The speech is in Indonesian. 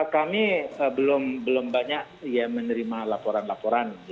kami belum banyak menerima laporan laporan